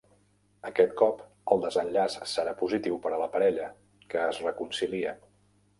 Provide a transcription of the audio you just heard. Aquest cop, el desenllaç serà positiu per a la parella, que es reconcilia.